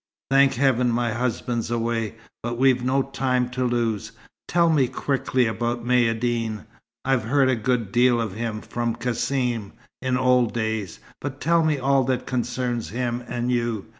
Thank heaven my husband's away, but we've no time to lose. Tell me quickly about Maïeddine. I've heard a good deal of him, from Cassim, in old days; but tell me all that concerns him and you.